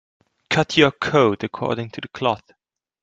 Cut your coat according to the cloth.